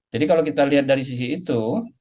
jadi kalau kita lihat dari sisi itu